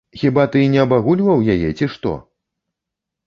Хіба ты не абагульваў яе, ці што?